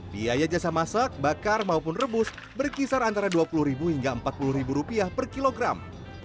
biaya jasa masak bakar maupun rebus berkisar antara rp dua puluh hingga rp empat puluh per kilogram